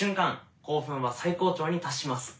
興奮は最高潮に達します。